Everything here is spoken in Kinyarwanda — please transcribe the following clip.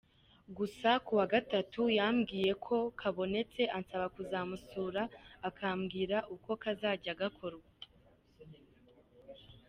Gusa ku wa Gatatu gatatu yambwiye ko kabonetse ansaba kuzamusura akambwira uko kazajya gakorwa.